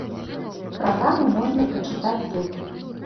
Праграму можна прачытаць тут.